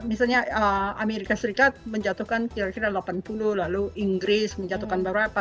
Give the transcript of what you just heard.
misalnya amerika serikat menjatuhkan kira kira delapan puluh lalu inggris menjatuhkan berapa